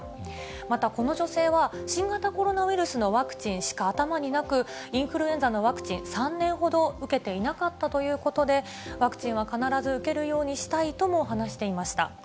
またこの女性は新型コロナウイルスのワクチンしか頭になく、インフルエンザのワクチン、３年ほど受けていなかったということで、ワクチンは必ず受けるようにしたいとも話していました。